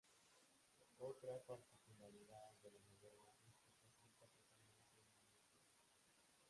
Otra particularidad de la novela es que está escrita totalmente en minúsculas.